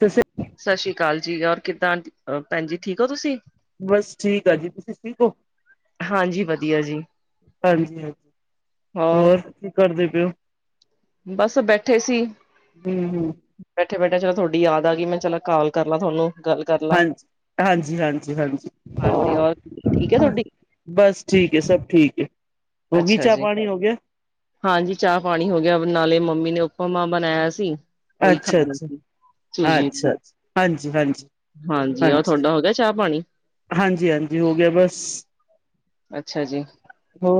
ਤਸੀ ਸਤਿ ਸ਼੍ਰੀ ਅਕਾਲ ਜੀ, ਔਰ ਕਿੱਦਾਂ, ਅ ਭੈਨ ਜੀ ਠੀਕ ਹੋ ਤੁਸੀਂ? ਬਸ ਠੀਕ ਆ ਜੀ, ਤੁਸੀ ਠੀਕ ਓ? ਹਾਂਜੀ ਵਧੀਆ ਜੀ। ਹਾਂਜੀ ਹਾਂਜੀ, ਹੋਰ ਕੀ ਕਰਦੇ ਪਿਓ? ਬਸ ਬੈਠੇ ਸੀ। ਹੂੰ ਬੈਠੇ ਬੈਠੇ ਚਲੋ ਥੋੱਡੀ ਯਾਦ ਆ ਗੀ ਮੈਂ ਚਲ ਕਾਲ ਕਰ ਲਾਂ ਤੁਹਾਨੂੰ, ਗੱਲ ਕਰ ਲਾ ਹਾਂਜੀ- ਹਾਂਜੀ- ਹਾਂਜੀ -ਹਾਂਜੀ। ਹਾਂਜੀ ਔਰ ਠੀਕ ਹੈ ਤੁਹਾਡੀ ਬਸ ਠੀਕ ਹੈ, ਸਭ ਠੀਕ ਹੈ। ਹੋ ਗਈ ਅੱਛਾ ਚਾਹ ਜੀ। ਪਾਣੀ ਹੋ ਗਿਆ ਹਾਂਜੀ, ਚਾਹ- ਪਾਣੀ ਹੋ ਗਿਆ ਨਾਲੇ ਮੰਮੀ ਨੇ ਉੱਪਾਮਾਂ ਬਣਾਇਆ ਸੀ। ਉਹੀ ਅੱਛਾ ਖਾਂਦਾ ਅੱਛਾ। ਸੀ। ਜੀ ਅੱਛਾ ਅੱਛਾ ਹਾਂਜੀ ਹਾਂਜੀ ਹਾਂਜੀ, ਆਹ ਤੁਹਾਡਾ ਹੋ ਗਿਆ ਚਾਹ- ਪਾਣੀ? ਹਾਂਜੀ- ਹਾਂਜੀ ਹੋ ਗਿਆ ਬਸ। ਅੱਛਾ ਜੀ। ਹੋ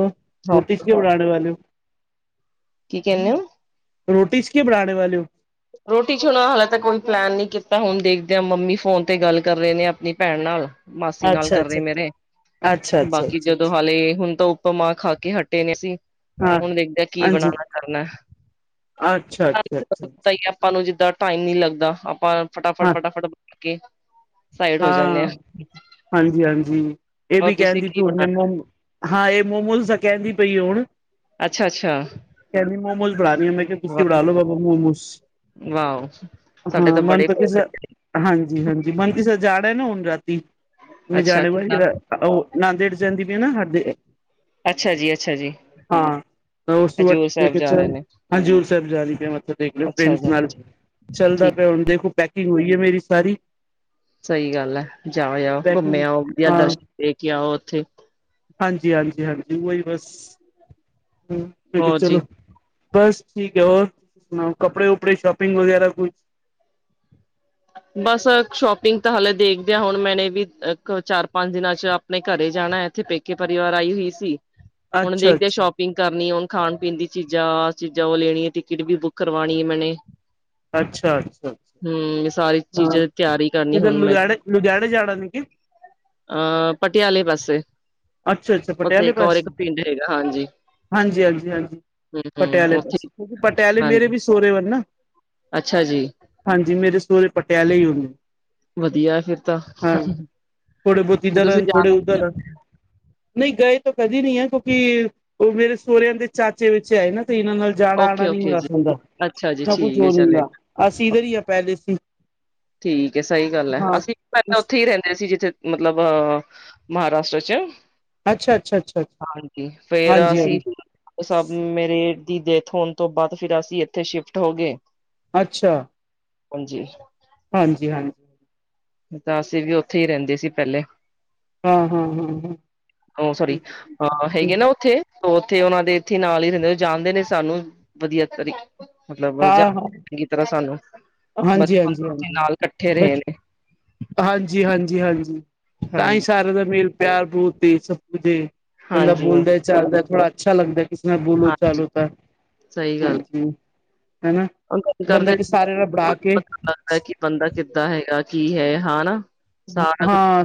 ਹੋਰ ਰੋਟੀ ਚ' ਕੀ ਬਾਣੇ ਵਾਲੇ ਹੋ? ਕੀ ਕਹਿੰਦੇ ਹੋ? ਰੋਟੀ ਚ 'ਕੀ ਬਣਾਣੇ ਵਾਲੇ ਹੋ? ਰੋਟੀ ਹੁਣਾ ਹਾਲੇ ਤਾਂ ਕੋਈ ਪਲੈਨ ਨਹੀ ਕੀਤਾ, ਹੁਣ ਦੇਖ ਦੇ ਆ, ਮੰਮੀ ਫੋਨ ਤੇ ਗੱਲ ਕਰ ਰਹੇ ਨੇ ਆਪਣੀ ਭੈਣ ਨਾਲ। ਮਾਸੀ ਨਾਲ ਅੱਛਾ ਕਰ ਅੱਛਾ ਰਹੇ ਮੇਰੇ। ਅੱਛਾ ਅੱਛਾ ਬਾਕੀ ਅੱਛਾ ਜਦੋਂ ਅੱਛਾ ਹਾਲੇ ਹੁਣ ਤੋਂ ਊਪਾਂਮਾਂ ਖਾ ਕੇ ਹਟੇ ਨੇ ਅਸੀਂ। ਹਾਂ ਹੁਣ ਦੇਖਦੇ ਕੀ ਹਾਂਜੀ ਬਣਾਉਣਾ ਕਰਨਾ। ਅੱਛਾ ਅੱਛਾ ਅੱਛਾ ਪਤਾ ਅੱਛਾ ਆਪਾਂ ਨੂੰ ਜਿੱਦਾਂ ਟਾਈਮ ਨੀ ਲੱਗਦਾ, ਆਪਾਂ ਫਟਾਫਟ- ਹਾਂ ਫਟਾਫਟ ਬਣਾ ਕੇ ਸਾਈਡ ਹੋ ਜਾਂਦੇ ਆ ਹਾਂ, ਹਾਂਜੀ- ਹਾਂਜੀ ਇਹ ਹੋਰ ਵੀ ਤੁਸੀਂ ਕਹਿੰਦੀ ਕੀ ਪਈ ਬਣਾਣਾ ਹਾਂ, ਇਹ ਮੋਮੋਸ ਤਾਂ ਕਹਿੰਦੀ ਪਈ ਹੁਣ ਅੱਛਾ- ਅੱਛਾ। ਕਹਿੰਦੀ ਮੋਮਜ ਬਣਾਣੀ ਹ ਮੈਂ ਤੁਸੀਂ ਬਣਾ ਲੋ ਵਾਹ ਬਾਬਾ ਮੋਮੋਸ ਵਾਹ ਸਾਡੇ ਹਾਂ, ਮਨ ਬੜੇ ਤਾਂ ਕਿਸ ਫੇਵਰੇਟ। ਹਾਂਜੀ- ਹਾਂਜੀ, ਮਨ ਕਿ ਸਰ ਜਾਣਾ ਨਾ ਹੁਣ ਰਾਤੀ ਮ ਅੱਛਾ ਜਾਣੇ ਵ ਕਿੱਦਾਂ [unintelligible] ਉਹ ਨਦੇੜ ਜਾਂਦੀ ਪਾਏ ਨਾ। ਸਾਡੇ ਅੱਛਾ ਜੀ, ਅੱਛਾ ਜੀ। ਹਾਂ ਤਾਂ ਉਸ ਤੋਂ ਬਾਅਦ ਹਜ਼ੂਰ ਸਾਹਿਬ ਮੈਂ ਜਾ ਚ' ਰਹੇ ਨੇ ਹਜ਼ੂਰ ਸਾਹਿਬ ਜਾ ਰਹੀ ਪਿਆ ਮੱਥਾ ਟੇਕਣ, ਅੱਛਾ ਫਰੈਂਡਸ ਜੀ ਨਾਲ। ਚੱਲਦਾ ਠੀਕ ਪਿਆ, ਹੁਣ ਦੇਖੋ ਪੈਕਿੰਗ ਹੋਈ ਐ ਮੇਰੀ ਸਾਰੀ। ਸਹੀ ਗੱਲ ਹੈ ਜਾਓ, ਜਾਓ, ਪੈਕਿੰਗ ਘੁੰਮੇ ਆਓ, ਵਧੀਆ ਦਰਸ਼ਨ ਦੇ ਕੇ ਆਓ ਉੱਥੇ। ਹਾਂਜੀ- ਹਾਂਜੀ -ਹਾਂਜੀ, ਉਹੀ ਬਸ ਮੈ ਕਿਹਾ ਹੋਰ ਜੀ ਚਲੋਂ। ਬਸ ਠੀਕ ਹੈ, ਹੋਰ ਕੱਪੜੇ- ਕੂਪੜੇ ਸ਼ੋਪਿੰਗ ਵਗੈਰਾ ਕੁਛ। ਬਸ ਸ਼ੋਪਿੰਗ ਤਾਂ ਹਾਲੇ ਦੇਖਦੇ ਆ, ਹੁਣ ਮੈਂ ਨੇ ਵੀ ਚਾਰ- ਪੰਜ ਦਿਨਾਂ ਚ' ਆਪਣੇ ਘਰੇ ਜਾਣਾ, ਇੱਥੇ ਪੇਕੇ ਪਰਿਵਾਰ ਆਈ ਹੋਈ ਸੀ। ਹੁਣ ਦੇਖਦੇ ਸ਼ੋਪ ਕਿੰਗ ਕਰਨੀ। ਉਹ ਖਾਣ- ਪੀਣ ਦੀ ਚੀਜ਼ਾਂ ਚੀਜ਼ਾਂ ਉਹ ਲੈਣੀ, ਟਿਕਟ ਵੀ ਬੁੱਕ ਕਰਵਾਣੀ ਮੈਨੇ। ਅੱਛਾ- ਅੱਛਾ -ਅੱਛਾ। ਹਮ ਸਾਰੀ ਚੀਜ਼ਾਂ ਦੀ ਤਿਆਰੀ ਕਰਨੀ, ਹੁਣ ਮੈਨੂੰ। ਲੁਧਿਆਣੇ ਜਾਣਾ ਨ ਕਿ? ਅਹ, ਪਟਿਆਲੇ ਪਾਸੇ, ਅੱਛਾ ਅੱਛਾ ਉੱਥੇ ਪਟਿਆਲੇ ਇੱਕ ਔਰ ਪਾਸੇ ਇੱਕ ਪਿੰਡ ਹੈੇਗਾ। ਹਾਂਜੀ। ਹਾਂਜੀ -ਹਾਂਜੀ -ਹਾਂਜੀ, ਹਮ ਹਮ ਪਟਿਆਲੇ ਉੱਥੇ ਪਾਸੇ ਕਿਉਂਕਿ ਪਟਿਆਲੇ ਮੇਰੇ ਹਾਂਜੀ ਵੀ ਸੋਹਰੇ ਵਾਲ ਨਾ। ਅੱਛਾ ਜੀ। ਹਾਂਜੀ ਮੇਰੇ ਸੁਹਰੇ ਪਟਿਆਲੇ ਹੀ ਹੁੰਦੇ। ਵਧੀਆ ਫਿਰ ਤਾਂ ਹਾਂ ਥੋੜੇ ਬਹੁਤ ਤੇ ਇੱਧਰ ਤੁਸੀਂ ਹਨ ਜਾ ਥੋੜੇ ਉੱਧਰ ਹਨ। ਨਹੀਂ ਗਏ ਤਾਂ ਕਦੇ ਨਹੀਂ ਹੈ ਕਿਉਂਕਿ ਉਹ ਮੇਰੇ ਸੋਹੁਰਿਆਂ ਦੇ ਚਾਚੇ ਵਿੱਚ ਆਏ ਨਾ ਤੇ ਇਹਨਾਂ ਨਾਲ। ਜਾਣਾ ਓਕੇ ਆਉਣਾ ਨੀ ਓਕੇ ਹੁੰਦਾ ਜੀ ਅੱਛਾ ਜੀ ਸਾਡਾ ਕੁਛ ਠੀਕ ਹੈ ਹੋ ਨੀ ਚਲੇ ਹੁੰਦਾ ਅਸੀਂ ਇੱਧਰ ਹੀ ਆ ਪਹਿਲੇ ਸੀ। ਠੀਕ ਹੈ। ਸਹੀ ਗੱਲ ਹੈ। ਹਾਂ ਅਸੀਂ ਪਹਿਲਾਂ ਇਸ ਉੱਥੇ ਹੀ ਰਹਿੰਦੇ ਸੀ। ਜਿੱਥੇ ਮਤਲਬ ਮਹਾਰਾਸ਼ਰਾ ਚ'। ਅੱਛਾ ਅੱਛਾ ਅੱਛਾ ਅੱਛਾ ਹਾਂਜੀ। ਫੇਰ ਹਾਂਜੀ ਹਾਂਜੀ ਅਸੀਂ ਸਭ ਮੇਰੇ ਦੀ ਡੇਥ ਹੋਣ ਤੋਂ ਬਾਅਦ ਫਿਰ ਅਸੀਂ ਇੱਥੇ ਸ਼ਿਫਟ ਹੋ ਗਏ। ਅੱਛਾ। ਹਾਂਜੀ। ਹਾਂਜੀ- ਹਾਂਜੀ। ਤਾਂ ਅਸੀਂ ਵੀ ਉੱਥੇ ਹੀ ਰਹਿੰਦੇ ਸੀ ਪਹਿਲੇ। ਹਾਂ ਹਾਂ ਹਾਂ ਹਾਂ ਉਹ ਸੋਰੀ, ਠੀਕ ਅਹ ਠੀਕ ਹੈਗੇ ਨਾ ਉੱਥੇ। ਉੱਥੇ ਉਹਨਾਂ ਦੇ ਇੱਥੇ ਨਾਲ ਹੀ ਰਹਿੰਦੇ ਜਾਣਦੇ ਨੇ ਸਾਨੂੰ ਵਧੀਆ ਤਰੀਕੇ ਮਤਲਬ ਜਾ ਹਾਂ ਹਾਂ ਚੰਗੀ ਤਰ੍ਹਾਂ ਸਾਨੂੰ ਹਾਂਜੀ ਬਚਪਨ ਹਾਂਜੀ ਤੋਂ ਹਾਂਜੀ ਨਾਲ ਇਕੱਠੇ ਰਹੇ ਬਚ ਨੇ। ਹਾਂਜੀ, ਹਾਂਜੀ, ਹਾਂਜੀ ਤਾਂ ਹੀ ਹਾਂਜੀ, ਸਾਰਿਆਂ ਦਾ ਮੇਲ ਪਿਆਰ ਸ ਕੁੇ ਬੰਦਾ ਹਾਂਜੀ, ਬੋਲਦਾ ਚਾਲਦਾ ਥੋੜਾ ਅੱਛਾ ਲੱਗਦਾ ਕਿਸੇ ਨਾਲ ਬੋਲੋ ਹਾਂਜੀ, ਚਾਲੋ ਤਾਂ। ਸਹੀ ਗੱਲ ਹਾਂਜੀ ਹਨਾ ਬੰਦਾ ਕਰਦੇ ਕਿ ਸਾਰਿਆਂ ਨਾਲ ਬਣਾ ਕੇ ਪਤਾ ਲੱਗਦਾ ਕਿ ਬੰਦਾ ਕਿੱਦਾਂ ਹੈਗਾ ਕੀ ਹੈ ਹਾਂ ਨਾ। ਹਾਂ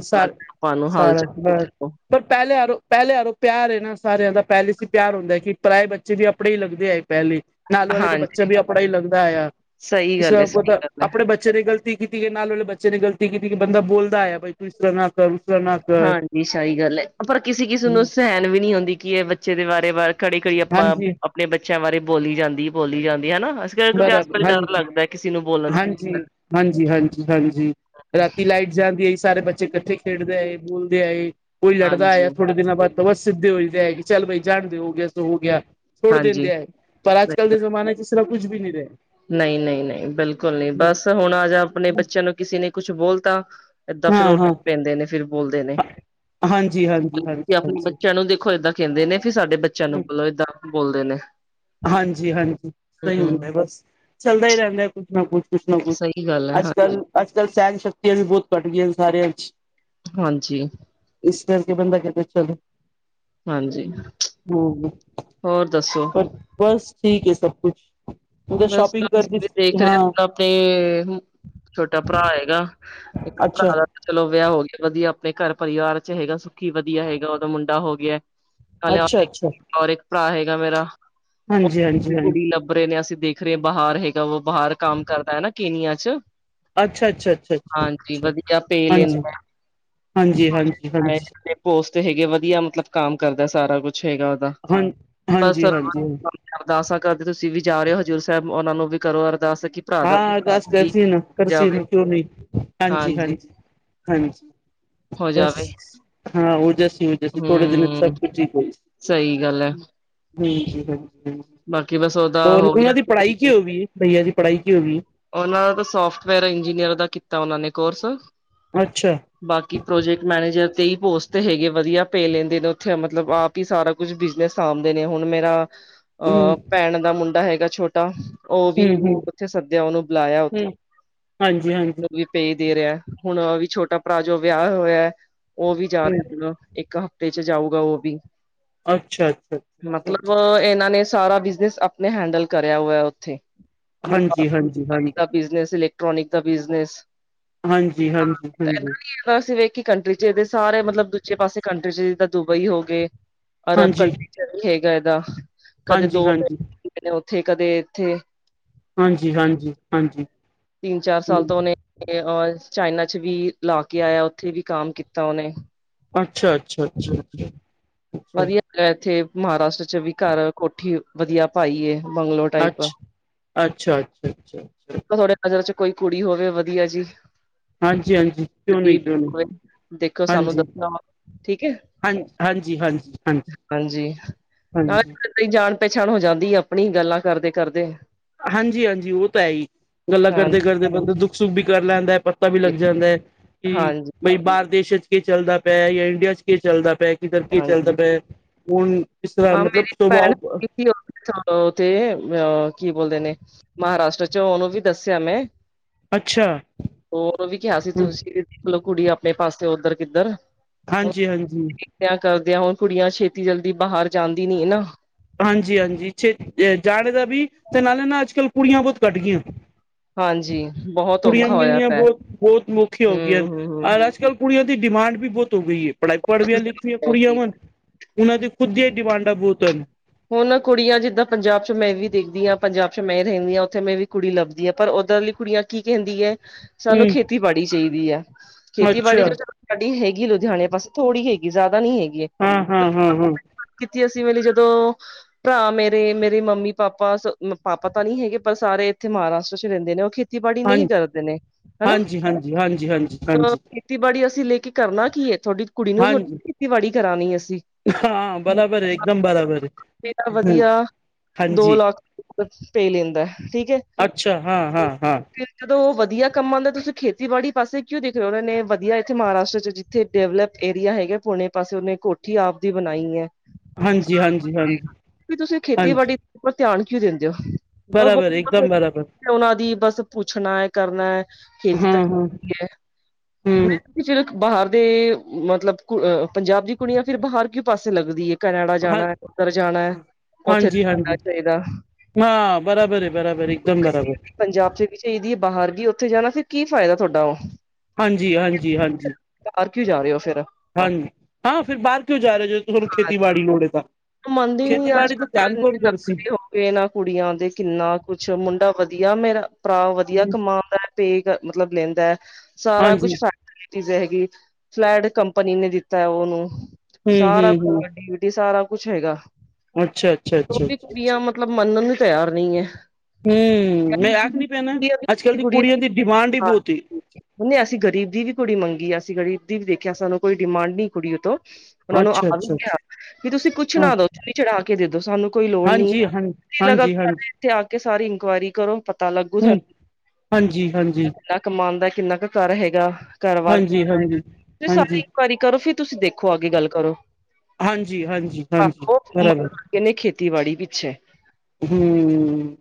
ਹਾਲ ਸਾਰਾ ਚਾਲ ਪੁੱਛ ਬਰ ਲਓ ਪਰ ਪਹਿਲੇ ਆਰੋ ਪਹਿਲੇ ਆਰੋ ਪਿਆਰ ਇਹ ਨਾ ਸਾਰਿਆਂ ਦਾ ਪਹਿਲੇ ਸੀ ਪਿਆਰ ਹੁੰਦਾ ਕਿ ਪੁਰਾਏ ਬੱਚੇ ਵੀ ਆਪਣੇ ਹੀ ਲੱਗਦੇ ਆਏ ਪਹਿਲੇ। ਨਾਲ ਵਾਲੇ ਤਾਂ ਹਾਂਜੀ ਬੱਚਾ ਵੀ ਆਪਣਾ ਹੀ ਲੱਗਦਾ ਆ। ਸਹੀ ਗੱਲ ਹੈ ਸਹੀ ਇਸਤਾ ਗੱਲ ਹੈ ਆਪਣੇੇ ਬੱਚੇ ਨੇ ਗ਼ਲਤੀ ਕੀਤੀ ਕਿ ਨਾਲ ਵਾਲੇ ਬੱਚੇ ਨੇ ਗਲਤੀ ਕੀਤੀ ਕਿ ਬੰਦਾ ਬੋਲਦਾ ਹੈ ਬਈ ਤੂੰ ਇਸ ਤਰ੍ਹਾਂ ਨਾ ਕਰ। ਤਰ੍ਹਾਂ ਨਾ ਕਰ ਹਾਂਜੀ ਸਹੀ ਗੱਲ ਹੈ ਪਰ ਕਿਸੇ ਕਿਸਮ ਨੂੰ ਸਹਿਣ ਵੀ ਨਹੀਂ ਹੁੰਦੀ ਕਿ ਇਹ ਬੱਚੇ ਦੇ ਬਾਰੇ ਬਾਰ। ਘੜੀ ਘੜੀ ਆਪਾਂ ਹਾਂਜੀ ਆਪਣੇ ਬੱਚਿਆਂ ਬਾਰੇ ਬੋਲੀ ਜਾਂਦੀ ਬੋਲੀ ਜਾਂਦੀ ਹਨਾ। ਕਿਉਂਕਿ ਬਾਰਾਂ ਅੱਜ ਕੱਲ ਡਰ ਹਾਂਜੀ ਲੱਗਦਾ ਕਿਸੇ ਨੂੰ ਬੋਲਣ ਹਾਂਜੀ ਹਾਂਜੀ ਹਾਂਜੀ ਹਾਂਜੀ ਰਾਤੀ ਲਾਈਟ ਜਾਂਦੀ ਆਈ ਸਾਰੇ ਬੱਚੇ ਇਕੱਠੇ ਖੇਡਦੇ ਆਏ ਬੋਲਦੇ ਆਏ ਕੋਈ ਲੜਦਾ ਆ ਹਾਂਜੀ ਥੋੜੇ ਦਿਨਾਂ ਬਾਅਦ ਬਸ ਸਿੱਧੇ ਹੋਈ ਕਿ ਚੱਲ ਬਾਈ ਜਾਣਦੇ ਹੋ ਗਿਆ ਸੋ ਹੋ ਗਿਆ। ਥੁੜ ਹਾਂਜੀ ਦਿੰਦੇ ਹੈ ਪਰ ਅੱਜ ਸਹੀ ਕੱਲ ਦੇ ਗੱਲ। ਜ਼ਮਾਨੇ ਚ ਸਿਰਫ ਨਹੀਂ ਨਹੀਂ ਨਹੀਂ ਬਿਲਕੁਲ ਨਹੀਂ ਬਸ ਹੁਣ ਆ ਜਾ ਆਪਣੇ ਬੱਚਿਆਂ ਨੂੰ ਕਿਸੇ ਨੇ। ਕੁਛ ਬੋਲ ਤਾਂ ਏਦਾਂ ਫਿਰ ਹਾਂ, ਉਹ ਹਾਂ, ਲੱਗ ਪੈਂਦੇ ਨੇ ਫਿਰ ਬੋਲਦੇ ਨੇ। ਹਾਂਜੀ, ਹਾਂਜੀ, ਤੁਸੀ ਹਾਂਜੀ, ਆਪਣੇ ਹਾਂਜੀ। ਬੱਚਿਆਂ ਨੂੰ ਦੇਖੋ ਏਦਾਂ ਕਹਿੰਦੇ ਨੇ ਫਿਰ ਸਾਡੇ ਬੱਚਿਆਂ ਨੂੰ ਬੋਲੋ ਏਦਾਂ ਬੋਲਦੇ ਨੇ। ਹਾਂਜੀ ਹਾਂਜੀ ਸਹੀ ਹੂੰ, ਹੁੰਦਾ ਬਸ ਚੱਲਦਾ ਹੀ ਰਹਿੰਦਾ ਕੁਛ ਨਾ ਕੁਛ। ਕੁਛ ਨਾ ਕੁਛ ਸਹੀ ਗੱਲ ਹੈ ਅੱਜ ਹਾਂਜੀ, ਕੱਲ੍ਹ ਅੱਜ ਕੱਲ੍ਹ ਸਹਿਨ ਸ਼ਕਤੀਆਂ ਵੀ ਬਹੁਤ ਘੱਟ ਗਈਆਂ ਨੇ ਸਾਰਿਆਂ ਚ। ਹਾਂਜੀ। ਇਸ ਕਰਕੇ ਬੰਦਾ ਕਹਿੰਦਾ ਚੱਲ ਹਾਂਜੀ, ਹੋਰ ਦੱਸੋ। ਬਸ ਠੀਕ ਹੈ ਸਭ ਕੁਛ ਮਤਲਬ ਸ਼ੋਪਿੰਗ ਕਰਦੀ ਹਾਂ। ਤੇ ਛੋਟਾ ਭਰਾ ਆਏਗਾ ਇੱਕ ਅੱਛਾ ਭਰਾ ਦਾ ਚਲੋ ਵਿਆਹ ਹੋ ਗਿਆ ਵਧੀਆ ਆਪਣੇ ਘਰ ਪਰਿਵਾਰ ਚ ਹੈਗਾ ਸੁੱਖੀ ਵਧੀਆ ਹੈਗਾ ਓਦਾ ਮੁੰਡਾ ਹੋ ਗਿਆ। ਅੱਛਾ ਅੱਛਾ ਔਰ ਇੱਕ ਭਰਾ ਹੈਗਾ ਮੇਰਾ ਹਾਂਜੀ ਉਹਦੇ ਹਾਂਜੀ ਲਈ ਹਾਂਜੀ ਕੁੜੀ ਲੱਭ ਰਹੇ ਨੇ ਅਸੀਂ। ਦੇਖ ਰਹੇ ਬਾਹਰ ਹੈਗਾ ਵ ਬਾਹਰ ਕੰਮ ਕਰਦਾ ਹੈ ਨਾ ਕੇਨੀਆ ਚ। ਅੱਛਾ ਅੱਛਾ ਅੱਛਾ ਅੱਛਾ ਹਾਂਜੀ ਅੱਛਾ ਵਧੀਆ ਪੇਯ ਹਾਂਜੀ ਲੈਂਦਾ। ਹਾਂਜੀ ਹਾਂਜੀ ਹਾਂਜੀ ਪੋਸਟ ਹੈਗੇ ਵਧੀਆ ਮਤਲਬ ਕੰਮ ਕਰਦਾ ਸਾਰਾ ਕੁਛ ਹੈਗਾ। ਹਾਂ ਬਸ ਹਾਂਜੀ ਹਾਂਜੀ ਅਰਦਾਸਾਂ ਕਰਦੇ ਤੁਸੀਂ ਵੀ ਜਾ ਰਹੇ ਹੋ ਹਜ਼ੂਰ ਸਾਹਿਬ ਉਹਨਾਂ ਨੂੰ ਵੀ ਕਰੋ ਅਰਦਾਸ। ਕਿ ਭਰਾ ਦਾ ਹਾਂ ਅਰਦਾਸ ਕਰ ਵੀ ਹੋ ਸੀ ਨਾ ਕਰਸੀ ਜਾਵੇ ਨਾ ਕਿਉਂ ਨਹੀਂ ਹਾਂਜੀ ਹਾਂਜੀ। ਹਾਂਜੀ ਹੋ ਬਸ ਜਾਵੇ ਹਾਂ ਉਹ ਜਸੀ। ਜਦ ਥੋੜੇ ਦਿਨ ਸਭ ਹੂੰ ਕੁਝ ਹੀ ਹੋਈ ਸਹੀ ਗੱਲ ਹੈ ਸੀ ਹਮ ਹ। ਬਾਕੀ ਬਸ ਉਹਦਾ ਹੋਰ ਹੋ ਗਿਆ ਉਹਨਾਂ ਦੀ ਪੜ੍ਹਾਈ ਕੀ ਹੋ ਗਈ ਬਈਆ ਦੀ ਪੜ੍ਹਾਈ ਕੀ ਹੋ ਗਈ? ਉਹਨਾਂ ਦਾ ਸੋਫਟਵੇਅਰ ਇੰਜੀਨੀਅਰ ਦਾ ਕੀਤਾ ਉਹਨਾਂ ਨੇ ਕੋਰਸ। ਅੱਛਾ। ਬਾਕੀ ਪ੍ਰੋਜੈਕਟ ਮੈਨੇਜਰ ਤੇ ਹੀ ਪੋਸਟ ਹੈਗੇ ਵਧੀਆ ਪੇ ਲੈਂਦੇ ਨੇ ਉੱਥੇ ਮਤਲਬ ਆਪ ਸਾਰਾ ਕੁਛ ਬਿਜਨਸ ਸਾਂਭਦੇ ਨੇ ਹੁਣ ਮੇਰਾ ਹਮ ਅਹ ਭੈਣ ਦਾ ਮੁੰਡਾ ਹੈਗਾ ਛੋਟਾ ਉਹ ਵੀ ਹਮ ਹਮ ਉੱਥੇ ਸ ਉਹਨੂੰ ਬੁਲਾਇਆ ਉੱਥੇ। ਹਮ ਹਾਂਜੀ ਹਾਂਜੀ ਵੀ ਪੇਯ ਦੇ ਰਿਹਾ ਹੁਣ ਵੀ ਛੋਟਾ ਭਰਾ ਜੋ ਵਿਆਹ ਹੋਇਆ। ਉਹ ਵੀ ਜਾ ਹੂੰ, ਰਿਹਾ ਇੱਕ ਹਫਤੇ ਚ ਜਾਊਗਾ ਉਹ ਵੀ। ਅੱਛਾ, ਅੱਛਾ, ਅੱਛਾ, ਮਤਲਬ ਅੱਛਾ। ਇਹਨਾਂ ਨੇ ਸਾਰਾ ਬਿਜਨਸ ਆਪਣੇ ਹੈਂਡਲ ਕਰਿਆ ਹੋਇਆ ਉੱਥੇ। ਹਾਂਜੀ ਹਾਂਜੀ ਹਾਂਜੀ। ਮੋਬਾਈਲ ਦਾ ਬਿਜ਼ਨਸ ਇਲੈਕਟ੍ਰੋਨਿਕ ਦਾ ਬਿਜ਼ਨਸ ਹਾਂਜੀ ਹਾਂਜੀ ਹਾਂਜੀ। ਅਸੀਂ ਵੇਖੀ ਕੰਟਰੀ ਚ ਇਹਦੇ ਸਾਰੇ ਮਤਲਬ ਦੂਜੇ ਪਾਸੇ ਕੰਟਰੀ ਚ ਜਿੱਦਾਂ ਦੁਬਈ ਹੋ ਗਏ। ਅਰਬ ਹਾਂਜੀ, ਕੰਟਰੀ ਚ ਵੀ ਹੈਗਾ ਇਹਾਂ ਕਦੇ ਹਾਂਜੀ, ਦੋ ਹਾਂਜੀ, ਉੱਥੇ ਕਦੇ ਇੱਥੇ। ਹਾਂਜੀ ਹਾਂਜੀ ਹਾਂਜੀ। ਤਿੰਨ ਚਾਰ ਹੂੰ, ਸਾਲ ਤੋਂ ਉਹਨੇ ਅ ਚਾਈਨਾ ਚ ਵੀ ਲਾ ਕੇ ਆਇਆ ਉੱਥੇ ਵੀ ਕੰਮ ਕੀਤਾ ਉਹਨੇ। ਅੱਛਾ ਅੱਛਾ ਅੱਛਾ ਅੱਛਾ। ਅੱਛਾ, ਅੱਛਾ। ਵਧੀਆ ਇੱਥੇ ਮਹਾਰਾਸ਼ਟਰ ਚ ਵੀ ਘਰ ਕੋਠੀ ਵਧੀਆ ਪਾਈ ਹੈ। ਅੱਛਾ ਅੱਛਾ ਅੱਛਾ ਅੱਛਾ ਅੱਛਾ। ਤੁਹਾਡੇ ਨਜ਼ਰ ਚ ਕੋਈ ਕੁੜੀ ਹੋਵੇ ਵਧੀਆ ਜੀ। ਹਾਂਜੀ ਹਾਂਜੀ ਕਿਉਂ ਨਹੀਂ ਗਰੀਬ ਕਿਉਂ ਨਹੀਂ ਹੋਵੇ ਦੇਖੋ ਸਾਨੂੰ ਹਾਂਜੀ। ਦੱਸਣਾ ਵਾ ਠੀਕ ਹੈ ਹਾਂ ਹਾਂਜੀ ਹਾਂਜੀ ਹਾਂਜੀ ਹਾਂਜੀ। ਨਾਲੇ ਜਾਣ ਪਹਿਚਾਣ ਹੋ ਜਾਂਦੀ ਆਪਣੀ ਗੱਲਾਂ ਕਰਦੇ ਕਰਦੇ। ਹਾਂਜੀ ਹਾਂਜੀ ਉਹ ਤਾਂ ਹੈ ਹੀ ਗੱਲਾਂ ਕਰਦੇ ਹਾਂਜੀ ਕਰਦੇ ਬੰਦਾ ਦੁੱਖ ਸੁੱਖ ਵੀ ਕਰ ਲੈਂਦਾ ਪਰ ਪਤਾ ਵੀ ਲੱਗ ਜਾਂਦਾ ਹੈ ਕਿ ਹਾਂਜੀ ਬਈ ਬਾਹਰ ਦੇਸ਼ਾਂ ਚ ਕੀ ਚੱਲਦਾ ਪਿਆ ਜਾਂ ਇੰਡੀਆ ਚ ਕੇ ਚੱਲਦਾ ਪਿਆ। ਕਰਕੇ ਚੱਲਦਾ ਹਾਂਜੀ ਪਿਆ ਹਣ ਹਾਂ ਮੇਰੀ ਭੈਣ ਉਥੇ ਅ ਕੀ ਬੋਲਦੇ ਨੇ ਮਹਾਰਾਸ਼ਟਰ ਚ ਉਹਨੂੰ ਵੀ ਦੱਸਿਆ ਮੈਂ। ਅੱਛਾ ਹੋਰ ਵੀ ਕਿਹਾ ਸੀ ਹਮ ਤੁਸੀਂ ਕੁੜੀ ਆਪਣੇ ਪਾਸੇ ਉੱਧਰ ਕਿੱਧਰ। ਹਾਂਜੀ ਹਾਂਜੀ। ਵਿਆਹ ਕਰਦਿਆਂ ਹੁਣ ਕੁੜੀਆਂ ਛੇਤੀ ਜਲਦੀ ਬਾਹਰ ਜਾਂਦੀ ਨੀ ਨਾ। ਹਾਂਜੀ ਹਾਂਜੀ ਛੇ ਜਾਣੇ ਦਾ ਵੀ ਤੇ ਨਾਲੇ ਨਾ ਅੱਜ ਕੱਲ ਕੁੜੀਆਂ ਬਹੁਤ ਘੱਟ ਗਈਆਂ। ਹਾਂਜੀ ਬਹੁਤ ਕੁੜੀਆਂ ਔਖਾ ਹੋਇਆ ਮਿਲਣੀਆਂ ਪਿਆ। ਬਹੁਤ ਬਹੁਤ ਔਖੀ ਹੋ ਗਈਆਂ ਹੂੰ-ਹੂੰ-ਹੂੰ ਅੱਜ ਕੱਲ ਕੁੜੀਆਂ ਦੀ ਡਿਮਾਂਡ ਵੀ ਬਹੁਤ ਹੋ ਗਈ ਹੈ ਪੜ੍ਹਾਈ ਪੜ੍ਹਵੀਆਂ ਲਿਖਵੀਆਂ ਕੁੜੀਆਂ ਵਾ ਉਹਨਾਂ ਦੀ ਖੁਦ ਆਂ ਡਿਮਾਂਡਾਂ ਬਹੁਤ ਹਨ। ਹੁਣ ਕੁੜੀਆਂ ਜਿੱਦਾਂ ਪੰਜਾਬ ਚ ਮੈਂ ਵੀ ਦੇਖਦੀ ਹਾਂ ਪੰਜਾਬ ਚ ਮੈਂ ਹੀ ਰਹਿੰਦੀ ਹਾਂ ਉੱਥੇ ਮੈਂ ਵੀ ਕੁੜੀ ਲੱਭਦੀ ਹਾਂ ਪਰ ਉੱਧਰ ਲਈ ਕੁੜੀਆਂ ਕੀ ਕਹਿੰਦੀ ਹੈ ਸਾਨੂੰ ਹਮ ਖੇਤੀਬਾੜੀ ਚਾਹੀਦੀ ਹੈ ਖੇਤੀਬਾੜੀ ਅੱਛਾ ਚ ਸਾਡੀ ਹੈਗੀ ਲੁਧਿਆਣੇ ਪਾਸੇ ਥੋੜੀ ਹੈਗੀ ਜ਼ਿਆਦਾ ਨੀ ਹੈਗੀ ਹੈ। ਹਾਂ ਹਾਂ ਹਾਂ ਹੂ। ਕੀਤੀ ਅਸੀਂ ਮੇ ਲਈ ਜਦੋਂ ਭਰਾ ਮੇਰੇ ਮੇਰੇ ਮੰਮੀ ਪਾਪਾ ਪਾਪਾ ਤਾਂ ਨਹੀਂ ਹੈਗੇ ਪਰ ਸਾਰੇ ਇੱਥੇ ਮਹਾਰਾਸ਼ਟਰ ਚ ਰਹਿੰਦੇ ਨੇ ਉਹ ਖੇ ਖੇਤੀਬਾੜੀ ਨਹੀਂ ਕਰਦੇ ਨੇ ਹਨਾ। ਹਾਂਜੀ ਹਾਂਜੀ ਹਾਂਜੀ ਹਾਂਜੀ ਹਾਂਜੀ ਹਾਂਜੀ ਖੇਤੀਬਾੜੀ ਅਸੀਂ ਲੈ ਕੇ ਕਰਨਾ ਕੀ ਹੈ ਤੁਹਾਡੀ ਕੁੜੀ ਨੂੰ ਤੁ ਹਾਂਜੀ ਖੇਤੀਬਾੜੀ ਕਰਾਣੀ ਅਸੀਂ। ਹਾਂ ਬਰਾਬਰ ਹੈ ਇੱਕਦਮ ਬਰਾਬਰ। ਇਹ ਤਾਂ ਹ ਵਧੀਆ ਦੋ ਹਾਂਜੀ ਲੱਖ ਪੇ ਲੈਂਦਾ ਠੀਕ ਹੈ ਅੱਛਾ ਹਾਂ ਹਾਂ ਹਾਂ ਜਦੋਂ ਉਹ ਵਧੀਆ ਕੰਮਉਂਦਾ ਤੁਸੀਂ ਖੇਤੀਬਾੜੀ ਪਾਸੇ ਕਿਉਂ ਦੇਖ ਰਹੇ ਹੋ ਉਹ ਨੇ ਵਧੀਆ ਇੱਥ ਮਹਾਰਾਸ਼ਟਰ ਚ ਉੱਥੇ ਡਿਵਲਪ ਏਰੀਆ ਹੈਗਾ ਪੁਣੇ ਪਾਸੇ ਉਹਨੇ ਕੋਠੀ ਆਪ ਦੀ ਬਣਾਈ ਹੈ ਹਾਂਜੀ ਹਾਂਜੀ ਹਾਂਜੀ ਤੁਸੀਂ ਹਾਂਜੀ ਖੇਤੀਬਾੜੀ ਉੱਪਰ ਧਿਆਨ ਕਿਉਂ ਦਿੰਦੇ ਹੋ? ਬਰਾਬਰ ਇੱਕਦਮ ਬਰਾਬਰ ਉਹਨਾਂ ਦੀ ਬਸ ਪੁੱਛਣਾ ਹੈ, ਕਰਨਾ ਹੈ, ਖੇਤੀ ਹਾਂ ਤਾਂ ਹਾਂ ਹੈ ਹਮ ਮੈਂ ਤੇ ਫਿਰ ਬਾਹਰ ਦੇ ਮਤਲਬ ਕੁ ਅਹ ਪੰਜਾਬ ਦੀ ਕੁੜੀਆਂ ਫੇਰ ਬਾਹਰ ਕਿ ਪਾਸੇ ਲੱਗਦੀ ਹੈ। ਕੈਨੇਡਾ ਹਾਂ ਜਾਣਾ ਉੱਧਰ ਜਾਣਾ ਹੈ ਉੱਥੇ ਹਾਂਜੀ ਹਾਂਜੀ ਚਾਹੀਦਾ ਹਾਂ ਬਰਾਬਰ ਹੈ ਬਰਾਬਰ ਇੱਕ ਦਮ ਬਰਾਬਰ ਪੰਜਾਬ ਚ ਚਾਹੀਦੀ ਹੈ ਬਾਹਰ ਉੱਥੇ ਜਾਣਾ ਫਿਰ ਕੀ ਫਾਇਦਾ ਤੁਹਾਡਾ ਉਹ ਹਾਂਜੀ ਹਾਂਜੀ ਹਾਂਜੀ ਕਰ ਕੇ ਜਾ ਰਹੇ ਹੋ ਫਿਰ ਹਾਂਜੀ ਹਾਂ ਫਿਰ ਬਾਹਰ ਕਿਉਂ ਜਾ ਰਿਹਾ ਜੋਂ ਤੁਹਾਨੂੰ ਖੇਤੀਬਾੜੀ ਲੋੜ ਹੈ ਤਾਂ। ਮੰਨਦੀ ਹੀ ਨੀ ਅੱਜ ਖੇਤੀਬਾੜੀ ਤਾਂ ਕੱਲ ਧਿਆਨ ਕੋੰ ਕੌਣ ਲੱਖ ਕਰਸੀ ਰੁਪਆ ਇਹਨਾਂ ਕੁੜੀਆਂ ਦੇ ਕਿੰਨਾ ਕੁਛ ਮੁੰਡਾ ਵਧੀਆ ਮੇਰਾ ਭਰਾ ਵਧੀਆ ਕਮਾਉਂਦਾ ਹੈ ਤੇ। ਮਤਲਬ ਲੈਂਦਾ ਹੈ ਸਾਰਾ ਹਾਂਜੀ ਕੁਛ ਸਾਡੇ ਚੀਜ਼ ਹੈਗੀ। ਫਲੈਟ ਕੰਪਨੀ ਨੇ ਦਿੱਤਾ ਉਹਨੂੰ। ਹਮ ਸਾਰਾ ਹਮ ਹਮ ਕੁਛ ਵਡੀ ਸਾਰਾ ਕੁਛ ਹੈਗਾ। ਅੱਛਾ ਅੱਛਾ ਉਹ ਅੱਛਾ ਵੀ ਅੱਛਾ ਅੱਛਾ ਕੁੜੀਆਂ ਮਤਲਬ ਮੰਨਣ ਨੂੰ ਤਿਆਰ ਨਹੀਂ ਹੈ। ਹਮ ਮੈਂ ਆਖ ਨੀ ਪੈਣਾ। ਕੁੜੀਆਂ ਅੱਜ ਕਲ ਵੀ ਦੀ ਕੁੜੀਆਂ ਦੀ ਡਿਮਾਂਡ ਹੀ ਬਹੁਤ। ਉਹਨੇ ਅਸੀਂ ਗਰੀਬ ਦੀ ਵੀ ਕੁੜੀ ਮੰਗੀ ਅਸੀਂ ਗ਼ਰੀਬ ਦੀ ਵੀ ਦੇਖਿਆ ਸਾਨੂੰ ਕੋਈ ਡਿਮਾਂਡ ਨ ਕੁੜੀ ਉ ਤੋਂ। ਉਹਨਾ ਨੂੰ ਆ ਅੱਛਾ-ਅੱਛਾ-ਅੱਛਾ, ਵੀ। ਤੁਸੀਂ ਕੁੱਛ ਹਾਂ ਨਾ ਦੋ ਚੁਨੀੰ ਵੀ ਚੜਾ ਕੇ ਦੇ ਦੋ ਸਾਨੂੰ ਕੋਈ ਲੋੜ ਨ ਹਾਂਜੀ ਹਾਂ ਕੀ ਲਗਾ ਹਾਂਜੀ-ਹਾਂਜੀ, ਸਾਡੇ ਇੱਥੇ ਆ ਕੇ ਸਾਰੀ ਇਨਕੁਆਇਰੀ ਕਰੋ। ਪਤਾ ਲੱਗੂ ਤੁਹਾਨੂੰ ਹਾਂਜੀ- ਹਾਂਜੀ। ਕਿੰਨਾ ਕਮਾ ਦਾ ਕਿੰਨਾ ਕੁ ਘਰ ਹੈਗਾ। ਘਰ ਵਾਰ ਹੈਗਾ। ਹਾਂਜੀ-ਹਾਂਜੀ, ਤੇ ਸਾਰੀ ਹਾਂਜੀ, ਇਨਕੁਆਇਰੀ ਕਰੋ। ਫਿਰ ਤੁਸੀਂ ਦੇਖੋ ਅੱਗੇ ਗੱਲ ਕਰੋ। ਹਾਂਜੀ -ਹਾਂਜੀ। ਉਹ ਬਰਾਬਰ ਹਦੇ ਖੇਤੀਬਾੜੀ ਪਿੱਛੇ ਹਮ,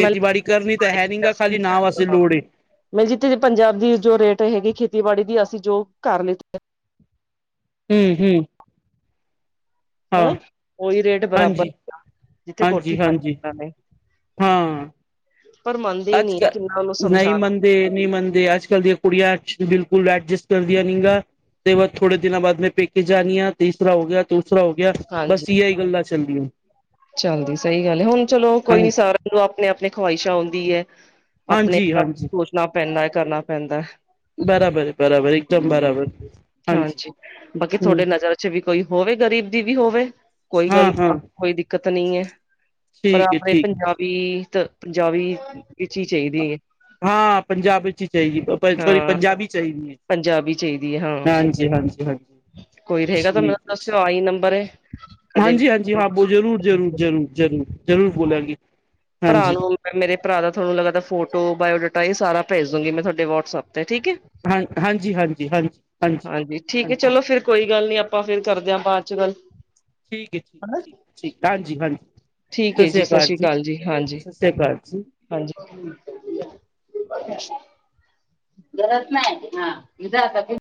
ਮੈਂ ਕਰਨੀ ਤਾਂ ਹੈ ਨੀ ਖਾਲੀ ਨਾ ਵਾਸਤੇ ਲੋੜ। ਮੈ ਜਿੱਥੇ ਪੰਜਾਬ ਦੀ ਜੋ ਰੇਟ ਹੈਗੀ ਖੇਤੀਬਾੜੀ ਦੀ ਅਸੀਂ ਜੋ ਕਰ ਲਿੱਤੀ। ਹਮ- ਹਮ। ਹਨਾ। ਉਹੀ ਰੇਟ ਬਰਾਬਰ ਹਾਂਜੀ, ਜਿੱਥੇ ਕੋਠੀ ਹਾਂਜੀ-ਹਾਂਜੀ, ਪਾਈ ਹਾਂ। ਪਰ ਮੰਨਦੇ ਅੱਜ ਨਹੀਂ ਕਿ ਕੱਲ ਉਹਨਾਂ ਨੂੰ ਨਹੀਂ ਸਮਝਾ ਮੰਨਦੇ ਨਹੀਂ, ਮੰਨਦੇ ਅੱਜ ਕੱਲ੍ਹ ਦੀਆਂ ਕੁੜੀਆਂ ਬਿਲਕੁਲ ਐਡਜਸਟ ਕਰਦੀਆਂ ਨੀ ਗ। ਤੇ ਅਦ ਥੋੜੇ ਦਿਨਾਂ ਬਾਦ ਮੈਂ ਪੈਕੇ ਜਾ ਜਾਣੀ ਆ ਤੀਸਰਾ ਹੋ ਗਿਆ। ਦੂਸਰਾ ਹੋ ਗਿਆ। ਹਾਂਜੀ ਬਸ ਇ ਹੀ ਗੱਲਾਂ ਚੱਲਦੀਆਂ। ਚੱਲਦੀ। ਸਹੀ ਗੱਲ ਹੈ ਹੁਣ ਚਲੋ ਕੋਈ ਨੀ ਹਾਂਜੀ ਸਾਰਿਆਂ ਨੂੰ ਆਪਣੇ ਆਪਣੇ ਖਵਾਹਿਸ਼ਾਂ ਆਉਂਦੀ ਹੈ। ਆਪਣੇ ਹਾਂਜੀ ਹਾਂਜੀ ਸੋਚਣਾ ਪੈਂਦਾ ਹੈ। ਕਰਨਾ ਪੈਂਦਾ ਹੈ। ਬਰਾਬਰ ਬਰਾਬਰ ਇੱਕਦਮ ਬਰਾਬਰ ਹਾਂਜੀ। ਬਾਕੀ ਹਮ ਤੁਹਾਡੇ ਨਜ਼ਰ ਵੀ ਕੋਈ ਹੋਵੇ ਗ਼ਰੀਬ ਦੀ ਵੀ ਹੋਵੇ। ਕੋਈ ਗੱਲ ਹਾਂ, ਹਮ। ਨੀ ਕੋਈ ਦਿੱਕਤ ਨਹੀਂ ਹੈ। ਪਰ ਆਪਣੇ ਪੰਜਾਬੀ ਤਾਂ ਪੰਜਾਬੀ ਵਿੱਚ ਹੀ ਚਾਹੀਦੇ ਹੈ। ਹਾਂ, ਪੰਜਾਬੀ ਚ' ਹੀ ਚਾਹੀ ਸੋਰੀ ਹਾਂ ਪੰਜਾਬੀ ਚਾਹੀਦੀ ਹੈ। ਪੰਜਾਬੀ ਚਾਹੀਦੀ ਹੈ ਹਾਂ ਹਾਂਜੀ। ਹਾਂਜੀ- ਹਾਂਜੀ -ਹਾਂਜੀ। ਕੋਈ ਰਹੇਗਾ ਤਾਂ ਮੈਨੂੰ ਠੀਕ ਹੈ ਦੱਸਿਓ ਆਈ ਨੰਬਰ ਕਦੇ ਵੀ। ਹਾਂਜੀ ਹਾਂਜੀ ਹਾਂ, ਬੋ ਜ਼ਰੂਰ- ਜ਼ਰੂਰ- ਜ਼ਰੂਰ- ਜ਼ਰੂਰ- ਜ਼ਰੂਰ ਬੋਲਾਂਗੇ। ਭਰਾ ਹਾਂਜੀ ਨੂੰ। ਮੇ ਭਰਾ ਦਾ ਤੁਹਾਨੂੰ ਲਗਦਾ ਫੋਟੋ ਬਾਇਓਡਾਟਾ ਇਹ ਸਾਰਾੇਜ ਦੂੰਗੀ ਮੈਂ ਤੁਹਾਡੇ ਵਟਸਐਪ ਤੇ ਠੀਕ ਹੈ ਹਾਂ, ਹਾਂਜੀ- ਹਾਂਜੀ -ਹਾਂਜੀ- ਹਾਂਜੀ ਠੀਕ ਹੈ -ਹਾਂਜੀ। ਚਲੋ ਫਿਰ ਕੋਈ ਗੱਲ ਨੀ ਆਪਾਂ ਫੇਰ ਕਰਦੇ ਹਾਂ ਬਾਅਦ ਚ' ਗੱਲ। ਠੀਕ ਹੈ, ਠੀਕ, ਠੀਕ, ਠੀਕ ਹਾਂਜੀ- ਹਾਂਜੀ ਸਤਿ ਸ੍ਰੀ ਅਕਾਲ ਜੀ। ਹਾਂਜੀ-ਹਾਂਜੀ। ਸਤਿ ਸ਼੍ਰੀ ਅਕਾਲ ਜੀ ਗਰਜ ਨਾ ਹਾਂ, [unintelligible]